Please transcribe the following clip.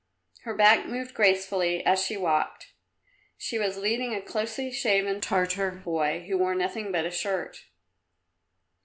Her back moved gracefully as she walked; she was leading a closely shaven Tartar boy, who wore nothing but a shirt.